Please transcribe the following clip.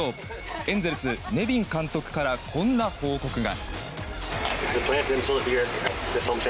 エンゼルスネビン監督からはこんな報告が。